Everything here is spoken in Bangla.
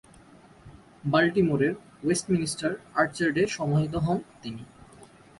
বাল্টিমোরের ওয়েস্ট মিনিস্টার আর্চার্ড-এ সমাহিত হন তিনি।